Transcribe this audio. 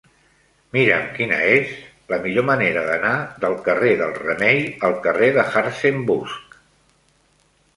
Mira'm quina és la millor manera d'anar del carrer del Remei al carrer de Hartzenbusch.